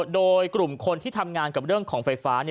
โดยกลุ่มคนที่ทำงานกับเรื่องของไฟฟ้า